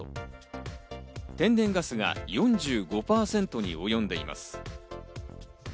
天然ガスが４５％に及んでいます。